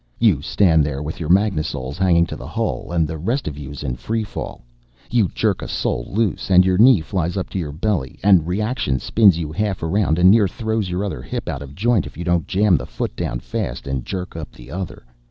You stand there with your magnasoles hanging to the hull, and the rest of you's in free fall. You jerk a sole loose, and your knee flies up to your belly, and reaction spins you half around and near throws your other hip out of joint if you don't jam the foot down fast and jerk up the other.